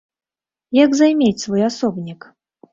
Як займець свой асобнік?